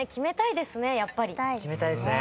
決めたいっすね。